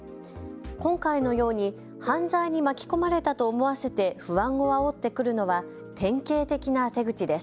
今回のように犯罪に巻き込まれたと思わせて不安をあおってくるのは典型的な手口です。